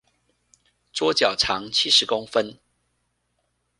桌腳長七十公分